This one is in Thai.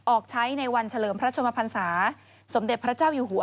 ออกใช้ในวันเฉลิมพระชนมพันศาสมเด็จพระเจ้าอยู่หัว